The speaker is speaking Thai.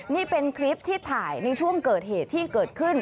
นี่เป็นคลิปที่ถ่ายในช่วงเกิดเหตุที่เกิดขึ้น